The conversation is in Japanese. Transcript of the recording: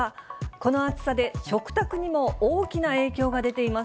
この暑さで、食卓にも大きな影響が出ています。